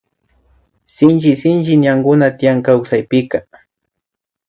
Shinchi sinchi ñankuna tiyan kawsaypika